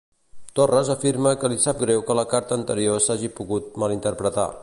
Torres afirma que li sap greu que la carta anterior s'hagi pogut malinterpretar.